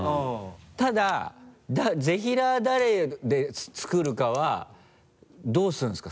ただぜひらー誰で作るかはどうするんですか？